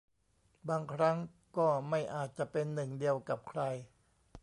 บางครั้งก็ไม่อาจจะเป็นหนึ่งเดียวกับใคร